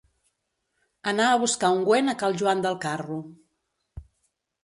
Anar a buscar ungüent a cal Joan del Carro.